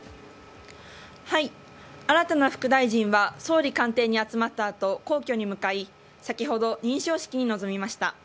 新たな副大臣は総理官邸に集まったあと皇居に向かい先ほど認証式に臨みました。